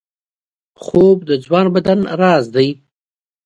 خوب د ځوان بدن راز دی